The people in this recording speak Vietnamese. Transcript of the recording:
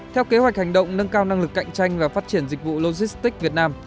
theo kế hoạch hành động nâng cao năng lực cạnh tranh và phát triển dịch vụ logistics việt nam